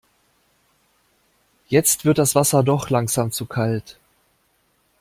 Jetzt wird das Wasser doch langsam zu kalt.